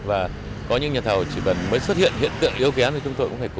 và có những nhà thảo chỉ cần mới xuất hiện hiện tượng yêu khén thì chúng tôi cũng phải